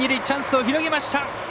チャンスを広げました。